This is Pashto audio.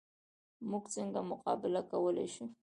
موږ څنګه مقابله کولی شو؟